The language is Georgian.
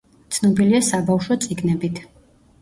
ცნობილია საბავშვო წიგნებით.